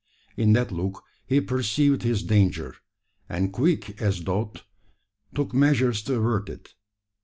In that look he perceived his danger, and quick as thought, took measures to avert it.